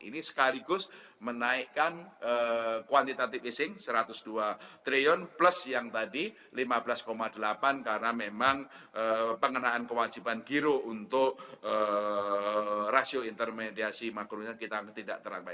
ini sekaligus menaikkan kuantitative easing satu ratus dua triliun plus yang tadi lima belas delapan karena memang pengenaan kewajiban giro untuk rasio intermediasi makronya kita tidak terabai